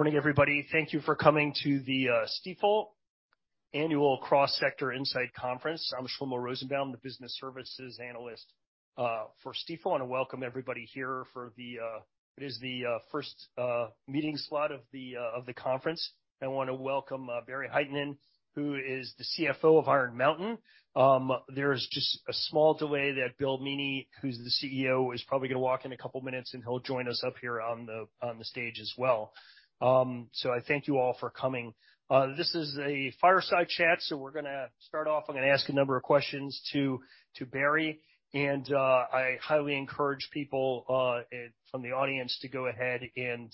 Morning, everybody. Thank you for coming to the Stifel Annual Cross Sector Insight Conference. I'm Shlomo Rosenbaum, the Business Services Analyst for Stifel. I wanna welcome everybody here for the, it is the first meeting slot of the conference. I wanna welcome Barry Hytinen, who is the CFO of Iron Mountain. There is just a small delay that Bill Meaney, who's the CEO, is probably gonna walk in a couple minutes, and he'll join us up here on the stage as well. I thank you all for coming. This is a fireside chat, so we're gonna start off. I'm gonna ask a number of questions to Barry, and I highly encourage people from the audience to go ahead and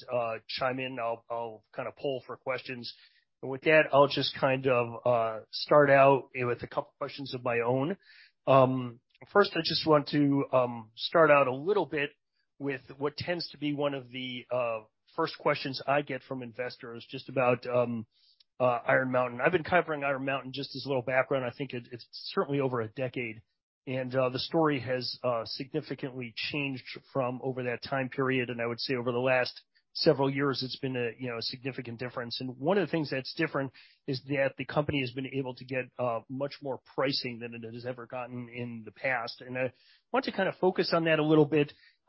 chime in. I'll kind of poll for questions. With that, I'll just kind of start out with a couple questions of my own. First, I just want to start out a little bit with what tends to be one of the first questions I get from investors just about Iron Mountain. I've been covering Iron Mountain, just as a little background, I think it's certainly over a decade, and the story has significantly changed from over that time period, and I would say over the last several years, it's been a, you know, a significant difference. One of the things that's different is that the company has been able to get much more pricing than it has ever gotten in the past. I want to kind of focus on that a little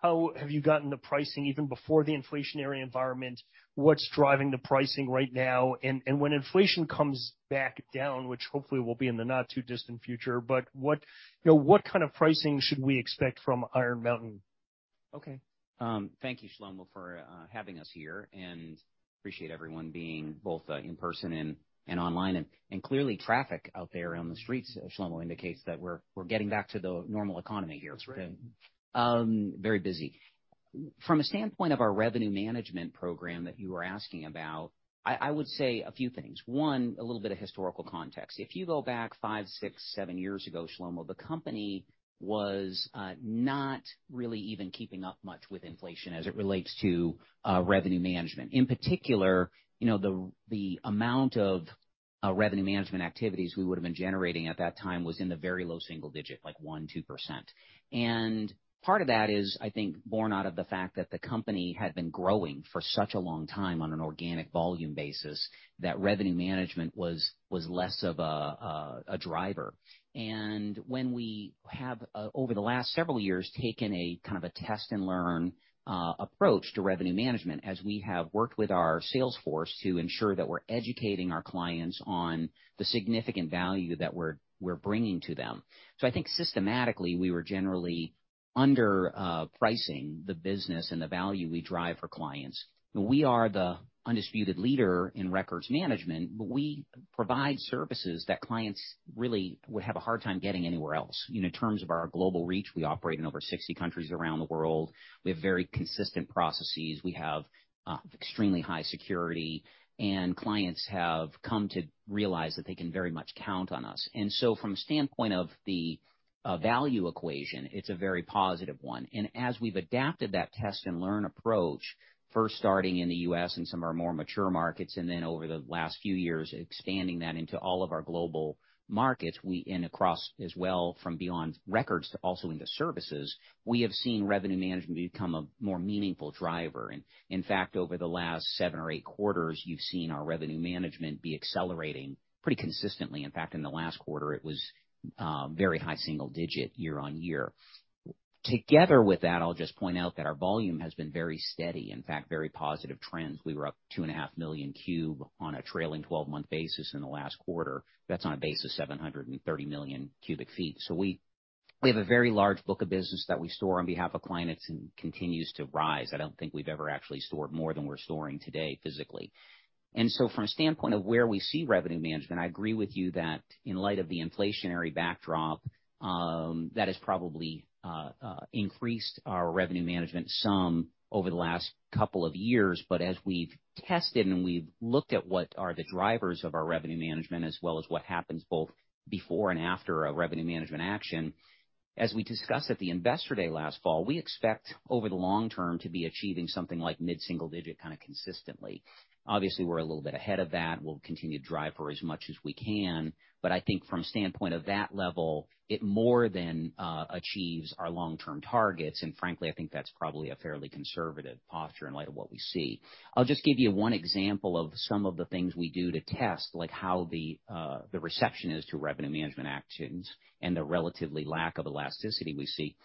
bit. How have you gotten the pricing even before the inflationary environment? What's driving the pricing right now? When inflation comes back down, which hopefully will be in the not too distant future, what, you know, what kind of pricing should we expect from Iron Mountain? Okay. Thank you, Shlomo, for having us here. Appreciate everyone being both in person and online. Clearly traffic out there on the streets, Shlomo, indicates that we're getting back to the normal economy here. That's right. Very busy. From a standpoint of our revenue management program that you were asking about, I would say a few things. One, a little bit of historical context. If you go back five, six, seven years ago, Shlomo, the company was not really even keeping up much with inflation as it relates to revenue management. In particular, you know, the amount of revenue management activities we would've been generating at that time was in the very low single digit, like 1%-2%. Part of that is, I think, born out of the fact that the company had been growing for such a long time on an organic volume basis, that revenue management was less of a driver. When we have over the last several years, taken a kind of a test and learn approach to revenue management, as we have worked with our sales force to ensure that we're educating our clients on the significant value that we're bringing to them. I think systematically, we were generally under pricing the business and the value we drive for clients. We are the undisputed leader in records management. We provide services that clients really would have a hard time getting anywhere else. You know, in terms of our global reach, we operate in over 60 countries around the world. We have very consistent processes. We have extremely high security, and clients have come to realize that they can very much count on us. From a standpoint of the value equation, it's a very positive one. As we've adapted that test and learn approach, first starting in the U.S. and some of our more mature markets, and then over the last few years, expanding that into all of our global markets, and across as well from beyond records to also into services, we have seen revenue management become a more meaningful driver. In fact, over the last seven or eight quarters, you've seen our revenue management be accelerating pretty consistently. In fact, in the last quarter, it was very high single-digit, year-on-year. Together with that, I'll just point out that our volume has been very steady, in fact, very positive trends. We were up 2.5 million cube on a trailing 12-month basis in the last quarter. That's on a base of 730 million cubic feet. We have a very large book of business that we store on behalf of clients, and continues to rise. I don't think we've ever actually stored more than we're storing today, physically. From a standpoint of where we see revenue management, I agree with you that in light of the inflationary backdrop, that has probably increased our revenue management some over the last couple years. As we've tested and we've looked at what are the drivers of our revenue management, as well as what happens both before and after a revenue management action, as we discussed at the Investor Day last fall, we expect over the long term to be achieving something like mid-single digit, kind of consistently. Obviously, we're a little bit ahead of that. We'll continue to drive for as much as we can, but I think from standpoint of that level, it more than achieves our long-term targets. Frankly, I think that's probably a fairly conservative posture in light of what we see. I'll just give you one example of some of the things we do to test, like how the reception is to revenue management actions and the relatively lack of elasticity we see.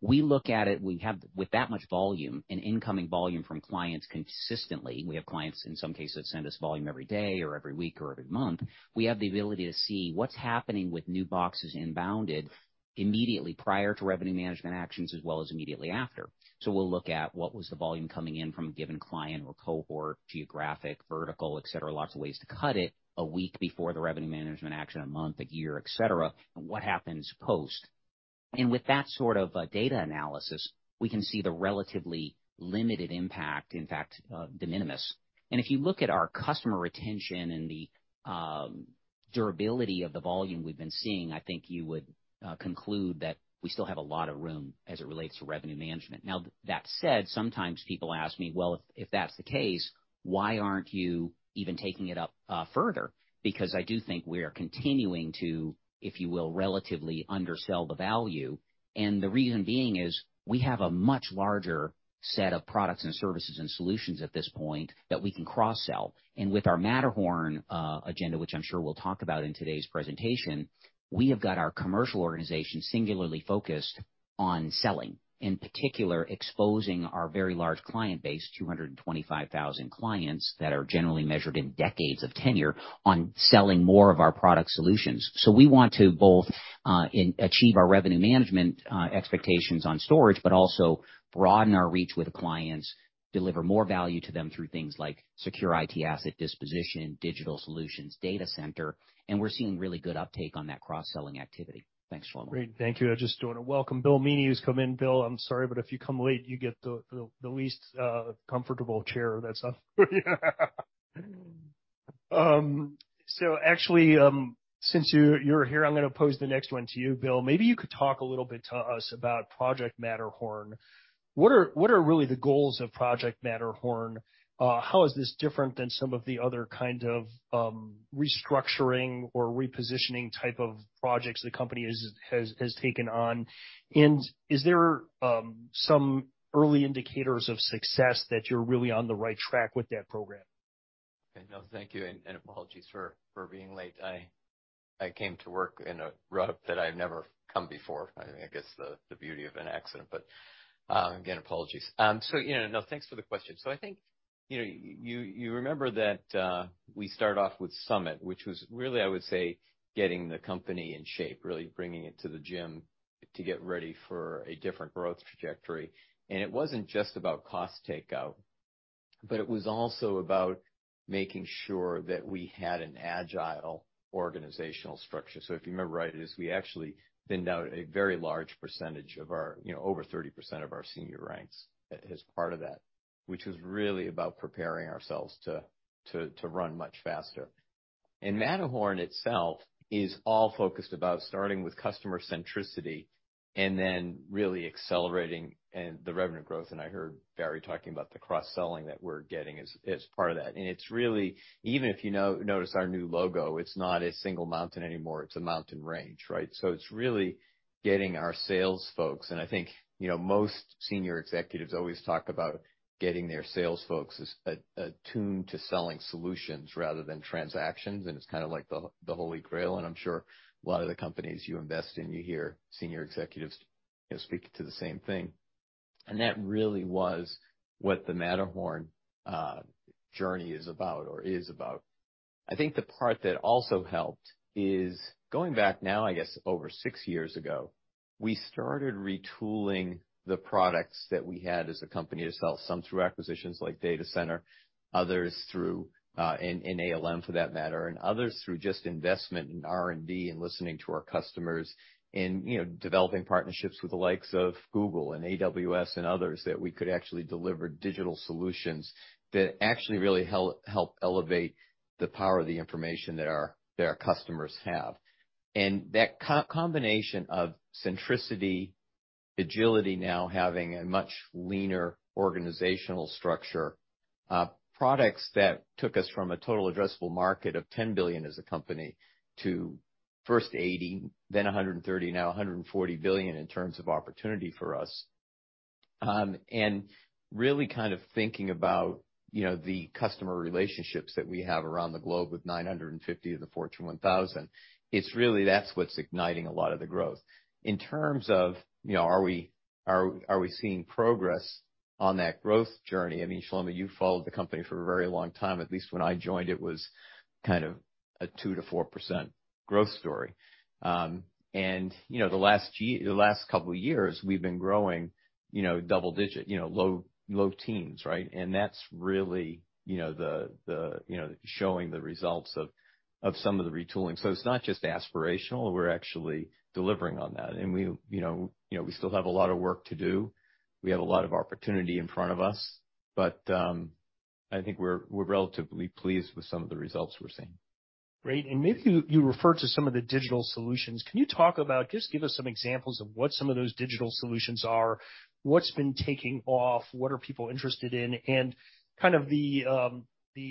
We look at it, we have with that much volume and incoming volume from clients consistently, we have clients, in some cases, that send us volume every day or every week or every month, we have the ability to see what's happening with new boxes inbounded immediately prior to revenue management actions, as well as immediately after. We'll look at what was the volume coming in from a given client or cohort, geographic, vertical, et cetera. Lots of ways to cut it, a week before the revenue management action, a month, a year, et cetera, and what happens post. With that sort of data analysis, we can see the relatively limited impact, in fact, de minimis. If you look at our customer retention and the durability of the volume we've been seeing, I think you would conclude that we still have a lot of room as it relates to revenue management. Now, that said, sometimes people ask me: Well, if that's the case, why aren't you even taking it up further? Because I do think we are continuing to, if you will, relatively undersell the value. The reason being is, we have a much larger set of products and services and solutions at this point that we can cross-sell. With our Matterhorn agenda, which I'm sure we'll talk about in today's presentation, we have got our commercial organization singularly focused on selling, in particular, exposing our very large client base, 225,000 clients, that are generally measured in decades of tenure, on selling more of our product solutions. We want to both achieve our revenue management expectations on storage, but also broaden our reach with the clients, deliver more value to them through things like secure IT asset disposition, digital solutions, data center, and we're seeing really good uptake on that cross-selling activity. Thanks, Shlomo. Great. Thank you. Just doing a welcome. Bill Meaney has come in. Bill, I'm sorry, but if you come late, you get the least comfortable chair. That's all. Actually, since you're here, I'm gonna pose the next one to you, Bill. Maybe you could talk a little bit to us about Project Matterhorn. What are really the goals of Project Matterhorn? How is this different than some of the other kind of restructuring or repositioning type of projects the company has taken on? Is there some early indicators of success that you're really on the right track with that program? No, thank you, and apologies for being late. I came to work in a route that I've never come before. I think that's the beauty of an accident, but again, apologies. You know, no, thanks for the question. I think, you know, you remember that we started off with Summit, which was really, I would say, getting the company in shape, really bringing it to the gym to get ready for a different growth trajectory. It wasn't just about cost takeout, but it was also about making sure that we had an agile organizational structure. If you remember right, is we actually thinned out a very large percentage of our, you know, over 30% of our senior ranks as part of that, which was really about preparing ourselves to run much faster. And Matterhorn itself is all focused about starting with customer centricity and then really accelerating the revenue growth, I heard Barry talking about the cross-selling that we're getting as part of that. It's really, even if you notice our new logo, it's not a single mountain anymore, it's a mountain range, right? It's really getting our sales folks, and I think, you know, most senior executives always talk about getting their sales folks as attuned to selling solutions rather than transactions, and it's kind of like the Holy Grail, and I'm sure a lot of the companies you invest in, you hear senior executives, you know, speak to the same thing. That really was what the Matterhorn journey is about. I think the part that also helped is going back now, I guess, over 6 years ago, we started retooling the products that we had as a company to sell, some through acquisitions like Data Center, others through, and ALM, for that matter, and others through just investment in R&D and listening to our customers and, you know, developing partnerships with the likes of Google and AWS and others, that we could actually deliver digital solutions that actually really helped elevate the power of the information that our, that our customers have. That combination of centricity, agility, now having a much leaner organizational structure, products that took us from a total addressable market of $10 billion as a company to first $80 billion, then $130 billion, now $140 billion in terms of opportunity for us. Really kind of thinking about, you know, the customer relationships that we have around the globe with 950 of the Fortune 1000, it's really. That's what's igniting a lot of the growth. In terms of, you know, are we seeing progress on that growth journey? I mean, Shlomo, you've followed the company for a very long time. At least when I joined, it was kind of a 2%-4% growth story. You know, the last couple of years, we've been growing, you know, double digit, you know, low, low teens, right. That's really, you know, showing the results of some of the retooling. It's not just aspirational, we're actually delivering on that. We, you know, we still have a lot of work to do. We have a lot of opportunity in front of us, but I think we're relatively pleased with some of the results we're seeing. Great. Maybe you referred to some of the digital solutions. Just give us some examples of what some of those digital solutions are, what's been taking off, what are people interested in, and kind of the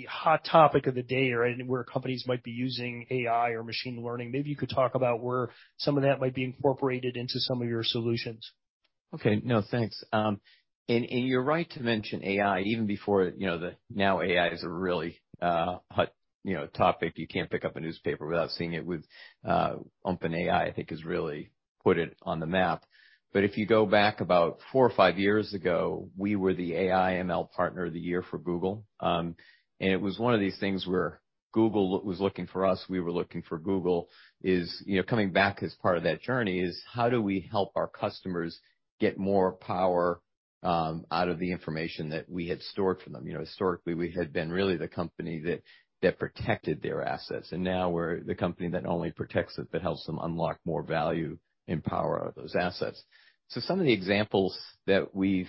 hot topic of the day, right, where companies might be using AI or machine learning. Maybe you could talk about where some of that might be incorporated into some of your solutions. Okay, no, thanks. You're right to mention AI, even before, you know, now, AI is a really hot, you know, topic. You can't pick up a newspaper without seeing it with OpenAI, I think, has really put it on the map. If you go back about four or five years ago, we were the AI/ML Partner of the Year for Google. It was one of these things where Google was looking for us, we were looking for Google, is, you know, coming back as part of that journey, is how do we help our customers get more power out of the information that we had stored for them? You know, historically, we had been really the company that protected their assets. Now we're the company that not only protects it, but helps them unlock more value and power of those assets. Some of the examples that we've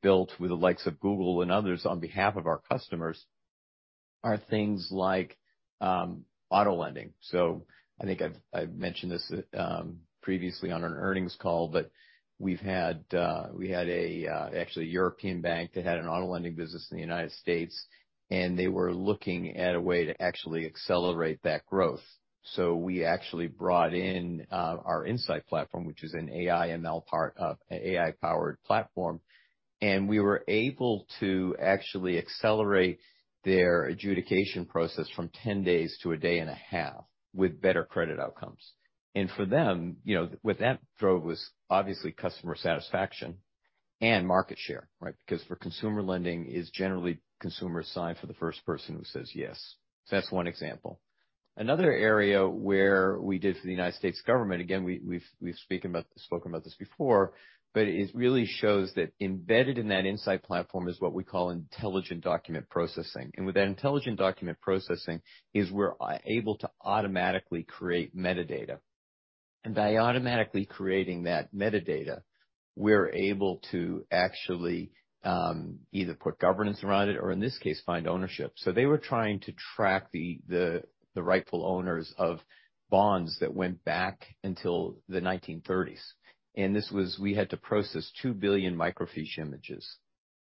built with the likes of Google and others on behalf of our customers are things like auto lending. I think I've mentioned this previously on an earnings call, but we had actually European Bank that had an auto lending business in the U.S. They were looking at a way to actually accelerate that growth. We actually brought in our InSight platform, which is an AI-powered platform. We were able to actually accelerate their adjudication process from 10 days to a day and a half, with better credit outcomes. For them, you know, with that throw was obviously customer satisfaction and market share, right? Because for consumer lending, it's generally consumers sign for the first person who says yes. That's one example. Another area where we did for the U.S. government, again, we've spoken about this before, but it really shows that embedded in that InSight platform is what we call Intelligent Document Processing. With that Intelligent Document Processing, is we're able to automatically create metadata. By automatically creating that metadata, we're able to actually either put governance around it or, in this case, find ownership. They were trying to track the rightful owners of bonds that went back until the 1930s. We had to process 2 billion microfiche images.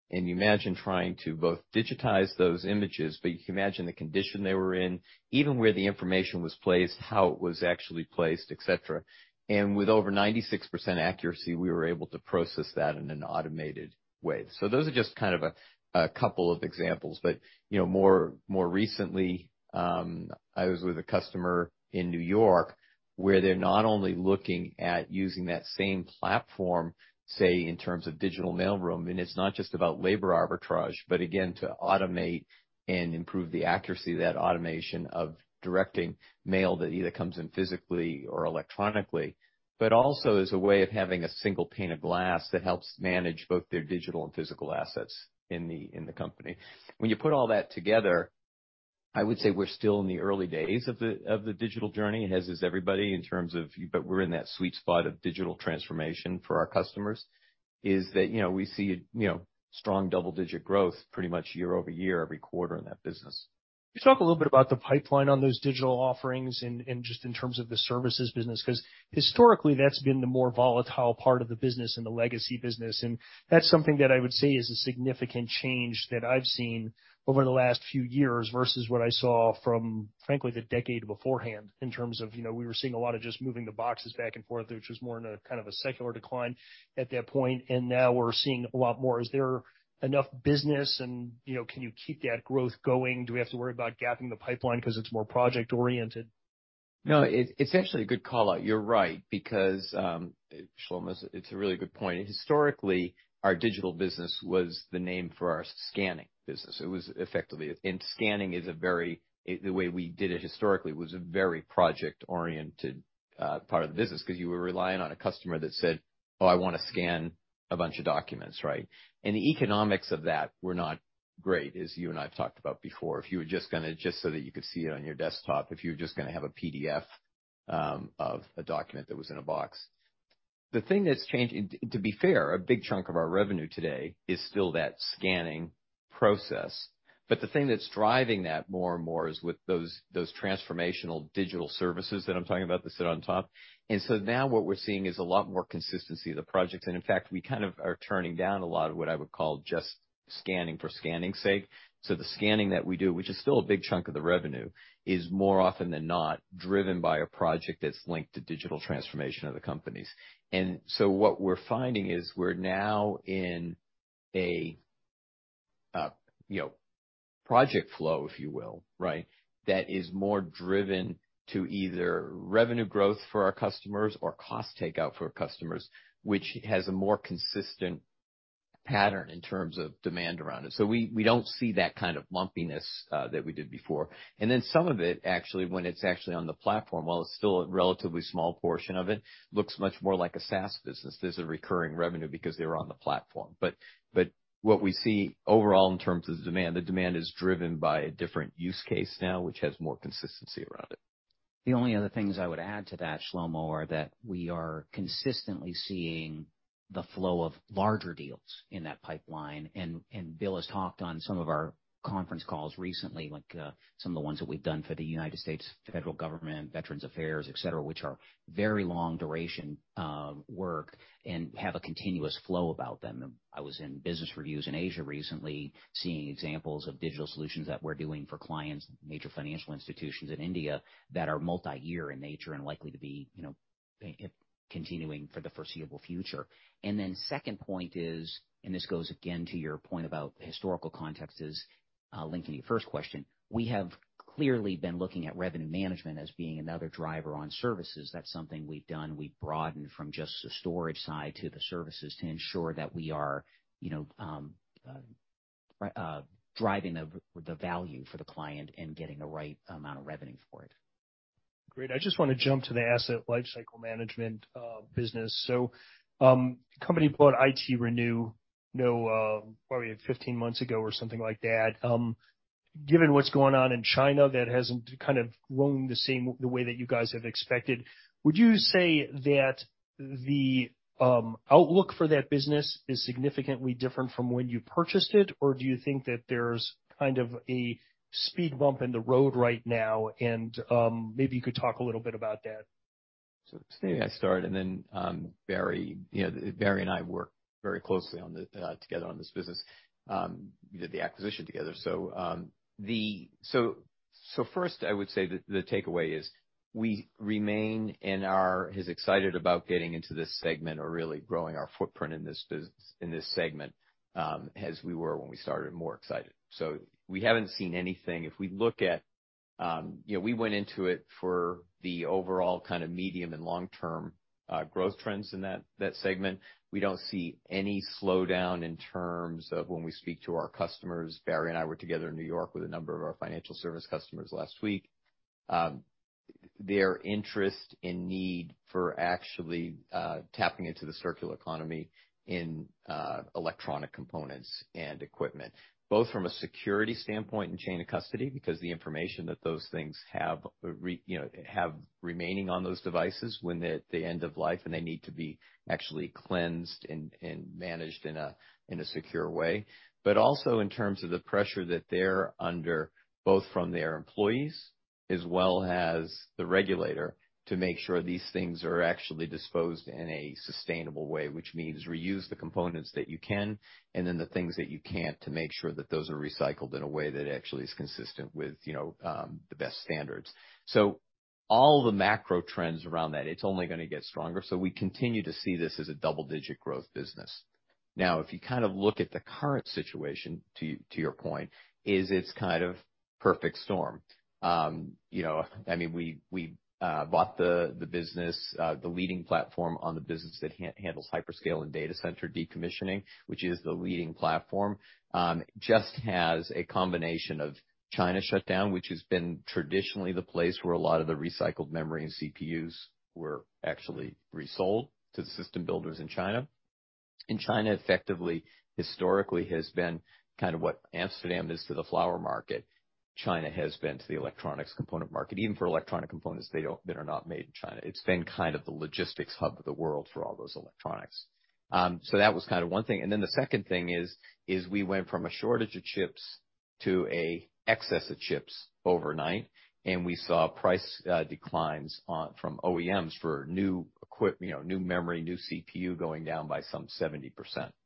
You imagine trying to both digitize those images, but you can imagine the condition they were in, even where the information was placed, how it was actually placed, et cetera. With over 96% accuracy, we were able to process that in an automated way. Those are just kind of a couple of examples. You know, more recently, I was with a customer in New York, where they're not only looking at using that same platform, say, in terms of digital mailroom, and it's not just about labor arbitrage, but again, to automate and improve the accuracy of that automation of directing mail that either comes in physically or electronically, but also as a way of having a single pane of glass that helps manage both their digital and physical assets in the company. When you put all that together, I would say we're still in the early days of the digital journey, as is everybody, but we're in that sweet spot of digital transformation for our customers, is that, you know, we see, you know, strong double-digit growth pretty much year-over-year, every quarter in that business. Can you talk a little bit about the pipeline on those digital offerings and just in terms of the services business? Historically, that's been the more volatile part of the business and the legacy business, and that's something that I would say is a significant change that I've seen over the last few years versus what I saw from, frankly, the decade beforehand, in terms of, you know, we were seeing a lot of just moving the boxes back and forth, which was more in a kind of a secular decline at that point, and now we're seeing a lot more. Is there enough business and, you know, can you keep that growth going? Do we have to worry about gapping the pipeline 'cause it's more project-oriented? No, it's actually a good call out. You're right, because Shlomo, it's a really good point. Historically, our digital business was the name for our scanning business. The way we did it historically, was a very project-oriented part of the business, 'cause you were relying on a customer that said, "Oh, I want to scan a bunch of documents," right? The economics of that were not great, as you and I have talked about before. If you were just gonna, just so that you could see it on your desktop, if you were just gonna have a PDF of a document that was in a box. To, to be fair, a big chunk of our revenue today is still that scanning process. The thing that's driving that more and more is with those transformational digital services that I'm talking about that sit on top. Now what we're seeing is a lot more consistency of the projects. In fact, we kind of are turning down a lot of what I would call just scanning for scanning's sake. The scanning that we do, which is still a big chunk of the revenue, is more often than not, driven by a project that's linked to digital transformation of the companies. What we're finding is, we're now in a, you know, project flow, if you will, right? That is more driven to either revenue growth for our customers or cost takeout for our customers, which has a more consistent pattern in terms of demand around it. We don't see that kind of lumpiness that we did before. Some of it, actually, when it's actually on the platform, while it's still a relatively small portion of it, looks much more like a SaaS business. There's a recurring revenue because they're on the platform. What we see overall in terms of demand, the demand is driven by a different use case now, which has more consistency around it. The only other things I would add to that, Shlomo, are that we are consistently seeing the flow of larger deals in that pipeline. Bill has talked on some of our conference calls recently, like, some of the ones that we've done for the U.S. federal government, Veterans Affairs, et cetera, which are very long duration, work and have a continuous flow about them. I was in business reviews in Asia recently, seeing examples of digital solutions that we're doing for clients, major financial institutions in India, that are multiyear in nature and likely to be, you know, continuing for the foreseeable future. Then second point is, and this goes again to your point about historical context, is linking to your first question. We have clearly been looking at revenue management as being another driver on services. That's something we've done. We've broadened from just the storage side to the services to ensure that we are, you know, driving the value for the client and getting the right amount of revenue for it. Great. I just want to jump to the asset lifecycle management business. Company bought ITRenew, you know, probably 15 months ago or something like that. Given what's going on in China, that hasn't kind of grown the same, the way that you guys have expected, would you say that the outlook for that business is significantly different from when you purchased it? Maybe you could talk a little bit about that. Maybe I start, and then Barry, you know, Barry and I work very closely together on this business. We did the acquisition together. First, I would say that the takeaway is we remain and are as excited about getting into this segment or really growing our footprint in this business, in this segment, as we were when we started, more excited. We haven't seen anything. If we look at, you know, we went into it for the overall kind of medium and long-term growth trends in that segment. We don't see any slowdown in terms of when we speak to our customers. Barry and I were together in New York with a number of our financial service customers last week. Their interest and need for actually tapping into the circular economy in electronic components and equipment, both from a security standpoint and chain of custody, because the information that those things you know, have remaining on those devices when they're at the end of life, and they need to be actually cleansed and managed in a secure way. Also in terms of the pressure that they're under, both from their employees as well as the regulator, to make sure these things are actually disposed in a sustainable way, which means reuse the components that you can, and then the things that you can't, to make sure that those are recycled in a way that actually is consistent with, you know, the best standards. All the macro trends around that, it's only gonna get stronger. We continue to see this as a double-digit growth business. If you kind of look at the current situation, to your point, it's kind of perfect storm. You know, I mean, we bought the business, the leading platform on the business that handles hyperscale and data center decommissioning, which is the leading platform. Just has a combination of China shutdown, which has been traditionally the place where a lot of the recycled memory and CPUs were actually resold to the system builders in China. China effectively, historically, has been kind of what Amsterdam is to the flower market. China has been to the electronics component market. Even for electronic components that are not made in China. It's been kind of the logistics hub of the world for all those electronics. That was kind of one thing. The second thing is we went from a shortage of chips to a excess of chips overnight, and we saw price declines on, from OEMs for new, you know, new memory, new CPU, going down by some 70%,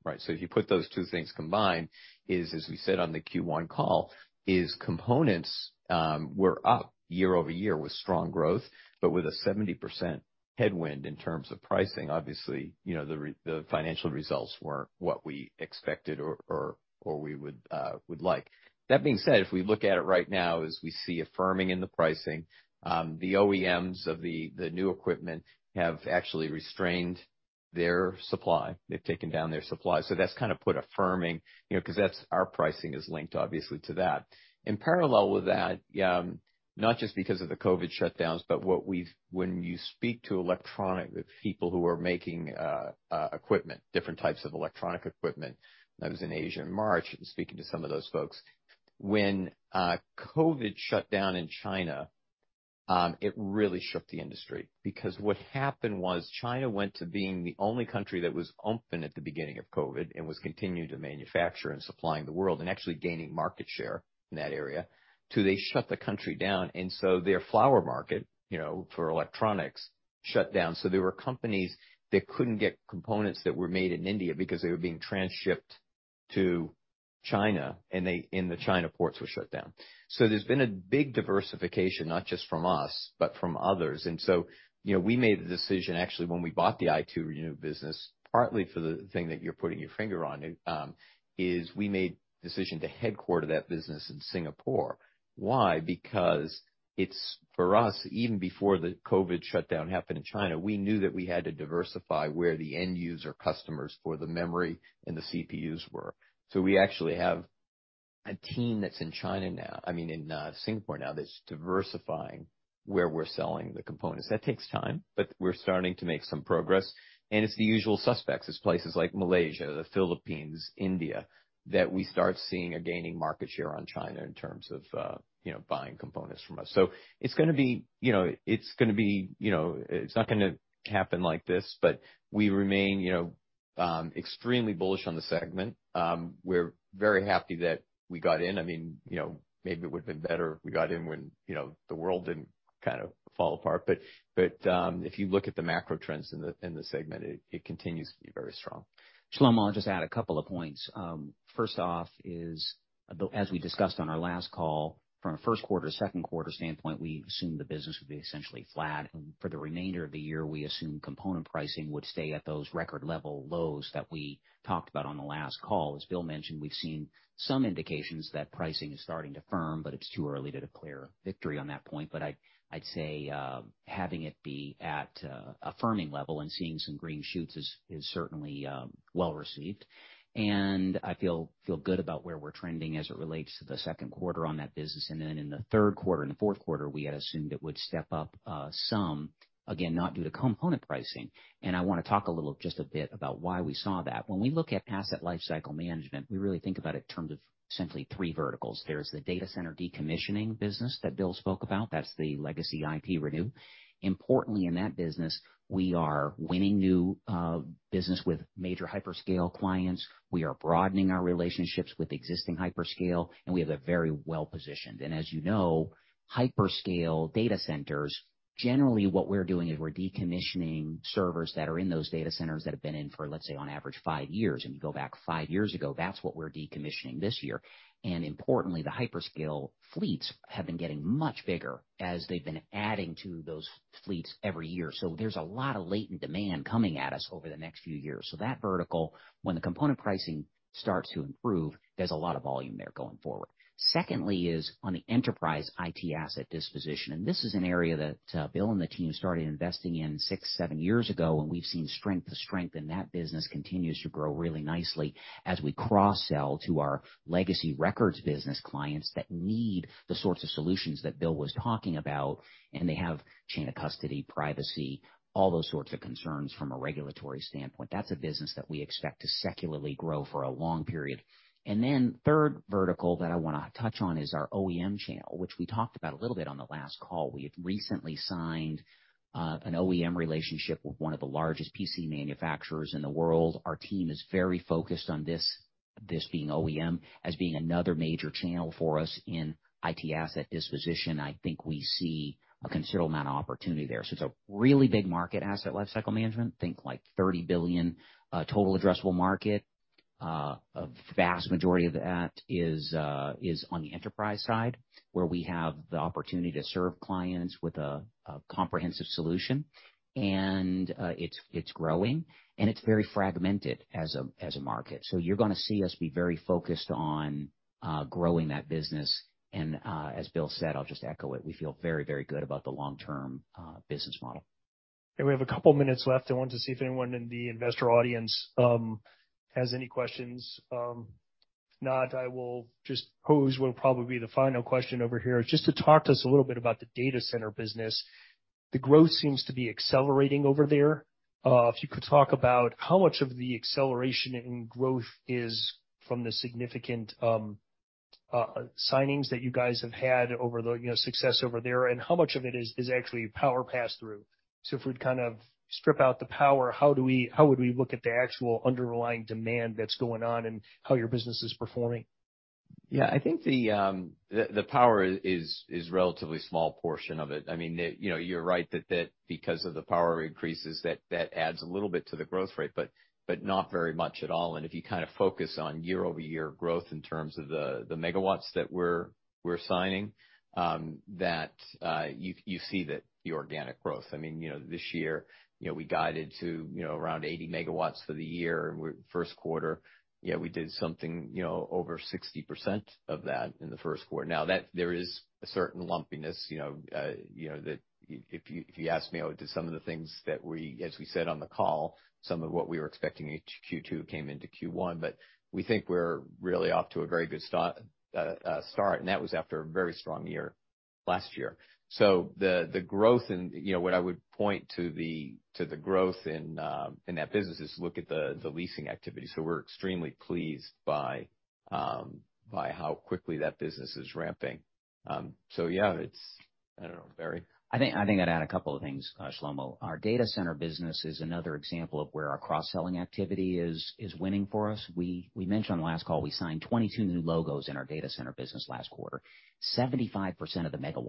right? If you put those two things combined, is, as we said on the Q1 call, is components were up year-over-year with strong growth, but with a 70% headwind in terms of pricing. Obviously, you know, the financial results weren't what we expected or we would like. That being said, if we look at it right now, is we see a firming in the pricing. The OEMs of the new equipment have actually restrained their supply. They've taken down their supply. That's kind of put a firming, you know, 'cause that's our pricing is linked, obviously, to that. In parallel with that, not just because of the COVID shutdowns, but when you speak to electronic, the people who are making equipment, different types of electronic equipment, I was in Asia in March, speaking to some of those folks. When COVID shut down in China, it really shook the industry because what happened was China went to being the only country that was open at the beginning of COVID and was continuing to manufacture and supplying the world and actually gaining market share in that area, to they shut the country down, and so their flower market, you know, for electronics, shut down. There were companies that couldn't get components that were made in India because they were being transshipped to China, and the China ports were shut down. There's been a big diversification, not just from us, but from others. You know, we made the decision, actually, when we bought the ITRenew business, partly for the thing that you're putting your finger on, is we made decision to headquarter that business in Singapore. Why? Because it's... For us, even before the COVID shutdown happened in China, we knew that we had to diversify where the end user customers for the memory and the CPUs were. We actually have a team that's in China now, I mean, in Singapore now, that's diversifying where we're selling the components. That takes time, but we're starting to make some progress. It's the usual suspects. It's places like Malaysia, the Philippines, India, that we start seeing a gaining market share on China in terms of, you know, buying components from us. It's gonna be, you know, it's not gonna happen like this, but we remain, you know, extremely bullish on the segment. We're very happy that we got in. I mean, you know, maybe it would have been better if we got in when, you know, the world didn't kind of fall apart, but if you look at the macro trends in the segment, it continues to be very strong. Shlomo, I'll just add a couple of points. First off is, as we discussed on our last call, from a first quarter, second quarter standpoint, we assumed the business would be essentially flat. For the remainder of the year, we assumed component pricing would stay at those record level lows that we talked about on the last call. As Bill mentioned, we've seen some indications that pricing is starting to firm, but it's too early to declare victory on that point. I'd say, having it be at a firming level and seeing some green shoots is certainly well received. I feel good about where we're trending as it relates to the second quarter on that business. Then in the third quarter and the fourth quarter, we had assumed it would step up some, again, not due to component pricing. I wanna talk a little, just a bit about why we saw that. When we look at asset lifecycle management, we really think about it in terms of simply three verticals. There's the data center decommissioning business that Bill spoke about. That's the legacy ITRenew. Importantly, in that business, we are winning new business with major hyperscale clients. We are broadening our relationships with existing hyperscale, we are very well positioned. As you know, hyperscale data centers, generally what we're doing is we're decommissioning servers that are in those data centers that have been in for, let's say, on average, five years, and you go back five years ago, that's what we're decommissioning this year. Importantly, the hyperscale fleets have been getting much bigger as they've been adding to those fleets every year. There's a lot of latent demand coming at us over the next few years. That vertical, when the component pricing starts to improve, there's a lot of volume there going forward. Secondly is on the enterprise IT asset disposition. This is an area that Bill and the team started investing in six, seven years ago, and we've seen strength to strength, and that business continues to grow really nicely as we cross-sell to our legacy records business clients that need the sorts of solutions that Bill was talking about, and they have chain of custody, privacy, all those sorts of concerns from a regulatory standpoint. That's a business that we expect to secularly grow for a long period. Then, third vertical that I wanna touch on is our OEM channel, which we talked about a little bit on the last call. We have recently signed an OEM relationship with one of the largest PC manufacturers in the world. Our team is very focused on this being OEM, as being another major channel for us in IT asset disposition. I think we see a considerable amount of opportunity there. It's a really big market, asset lifecycle management. Think like $30 billion total addressable market. A vast majority of that is on the enterprise side, where we have the opportunity to serve clients with a comprehensive solution. It's growing, and it's very fragmented as a, as a market. You're gonna see us be very focused on growing that business, and as Bill said, I'll just echo it, we feel very, very good about the long-term business model. We have a couple minutes left. I wanted to see if anyone in the investor audience has any questions. If not, I will just pose what will probably be the final question over here. Just to talk to us a little bit about the data center business, the growth seems to be accelerating over there. If you could talk about how much of the acceleration in growth is from the significant signings that you guys have had over the, you know, success over there, and how much of it is actually power pass-through? If we'd kind of strip out the power, how would we look at the actual underlying demand that's going on and how your business is performing? Yeah, I think the power is relatively small portion of it. I mean, you know, you're right, that because of the power increases, that adds a little bit to the growth rate, but not very much at all. If you kind of focus on year-over-year growth in terms of the MW that we're signing, that you see that, the organic growth. I mean, you know, this year, you know, we guided to, you know, around 80MW for the year. First quarter, yeah, we did something, you know, over 60% of that in the first quarter. Now that there is a certain lumpiness, you know, that if you, if you ask me, oh, do some of the things as we said on the call, some of what we were expecting in Q2 came into Q1, but we think we're really off to a very good start, and that was after a very strong year last year. You know, what I would point to the growth in that business, is look at the leasing activity. We're extremely pleased by how quickly that business is ramping. Yeah, it's, I don't know, very- I think I'd add a couple of things, Shlomo. Our data center business is another example of where our cross-selling activity is winning for us. We mentioned on the last call, we signed 22 new logos in our data center business last quarter. 75% of the MW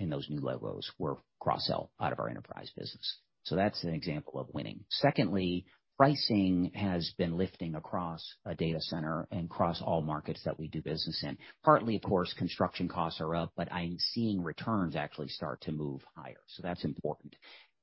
in those new logos were cross-sell out of our enterprise business. That's an example of winning. Secondly, pricing has been lifting across a data center and across all markets that we do business in. Partly, of course, construction costs are up, but I'm seeing returns actually start to move higher, so that's important.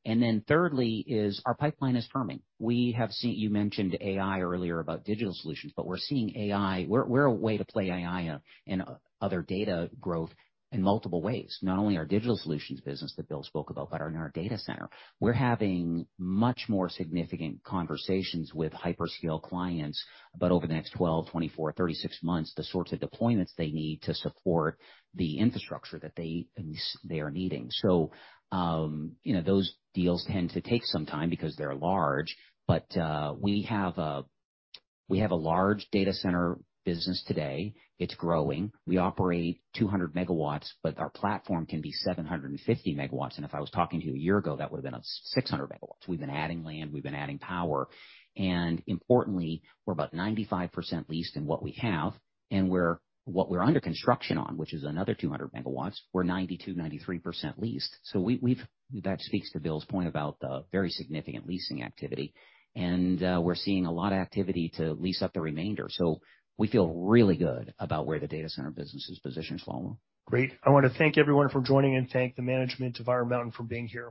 Then thirdly, is our pipeline is firming. We have seen... You mentioned AI earlier about digital solutions. We're seeing AI, we're a way to play AI and other data growth in multiple ways, not only our digital solutions business that Bill spoke about, but in our data center. We're having much more significant conversations with hyperscale clients, about over the next 12, 24, 36 months, the sorts of deployments they need to support the infrastructure that they are needing. You know, those deals tend to take some time because they're large, but we have a large data center business today. It's growing. We operate 200MW, but our platform can be 750MW, and if I was talking to you a year ago, that would've been 600MW. We've been adding land, we've been adding power, importantly, we're about 95% leased in what we have, what we're under construction on, which is another 200MW, we're 92%, 93% leased. We've that speaks to Bill's point about the very significant leasing activity. We're seeing a lot of activity to lease up the remainder. We feel really good about where the data center business is positioned, Shlomo. Great. I want to thank everyone for joining and thank the management of Iron Mountain for being here.